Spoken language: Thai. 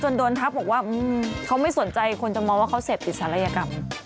โดนทักบอกว่าเขาไม่สนใจคนจะมองว่าเขาเสพติดศัลยกรรม